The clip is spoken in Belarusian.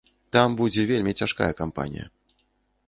Там будзе вельмі цяжкая кампанія.